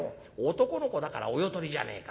男の子だからお世取りじゃねえか。